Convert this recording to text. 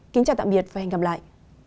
kính chào tạm biệt và hẹn gặp lại